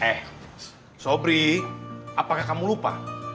eh sobri apakah kamu lupa